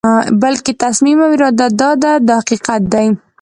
بلکې تصمیم او اراده ده دا حقیقت دی.